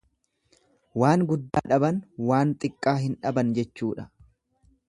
Waan guddaa dhaban waan xiqqaa hin dhaban jechuudha.